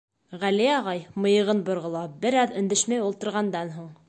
Гәли ағай, мыйығын борғолап, бер аҙ өндәшмәй ултырғандан һуң: